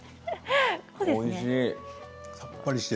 おいしい。